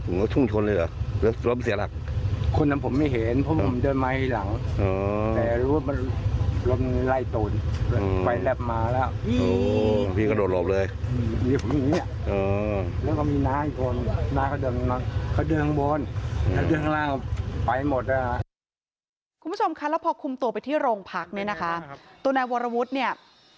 คุณผู้ชมคะแล้วพอคุมตัวไปที่โรงพักเนี่ยนะคะตัวนายวรวุฒิเนี่ย